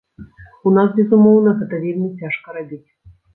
У нас, безумоўна, гэта вельмі цяжка рабіць.